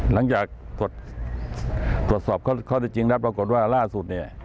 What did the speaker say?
หลังจากตรวจสอบข้อได้จริงรับปรากฏว่าล่าสุด